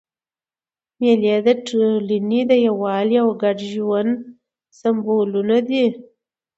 مېلې د ټولني د یووالي او ګډ ژوند سېمبولونه دي.